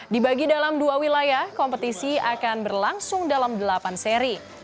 dibagi dalam dua wilayah kompetisi akan berlangsung dalam delapan seri